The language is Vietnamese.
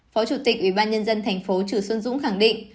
phó chủ tịch ủy ban nhân dân thành phố chử xuân dũng khẳng định